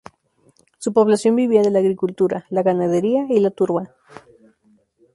Su población vivía de la agricultura, la ganadería y la turba.